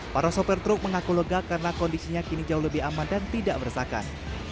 para sopir truk mengaku lega karena kondisinya kini jauh lebih aman dan tidak bersakan